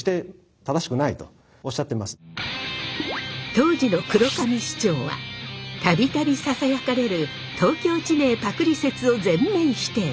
当時の黒神市長は度々ささやかれる東京地名パクリ説を全面否定。